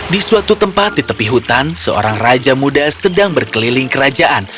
di suatu tempat di tepi hutan seorang raja muda sedang berkeliling kerajaan